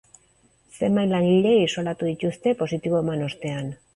Zenbait langile isolatu dituzte, positibo eman ostean.